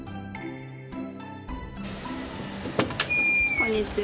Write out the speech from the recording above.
こんにちは。